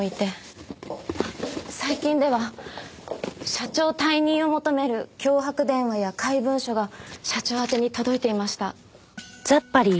最近では社長退任を求める脅迫電話や怪文書が社長宛てに届いていました。